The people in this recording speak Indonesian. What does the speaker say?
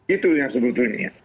itu yang sebetulnya